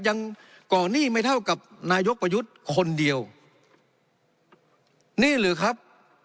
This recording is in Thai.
ยังก่อนหนี้ไม่เท่ากับนายกประยุทธ์คนเดียวนี่หรือครับ